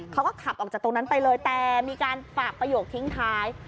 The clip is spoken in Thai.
เขาก็ขับออกจากตรงนั้นไปเลยแต่มีการฝากประโยคทิ้งท้าย